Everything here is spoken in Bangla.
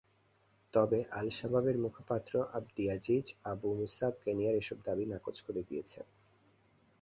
তবে আল-শাবাবের মুখপাত্র আবদিয়াজিজ আবু মুসাব কেনিয়ার এসব দাবি নাকচ করে দিয়েছেন।